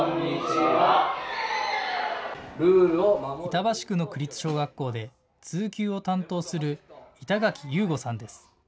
板橋区の区立小学校で通級を担当する板垣雄吾さんです。